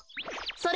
それ！